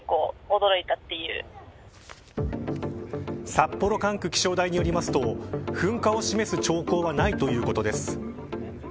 札幌管区気象台によりますと噴火を示す兆候はないということです。